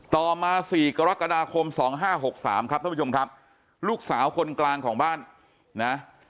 ต่อมา๔กรกฎาคม๒๕๖๓ครับท่านผู้ชมครับลูกสาวคนกลางของบ้านนะ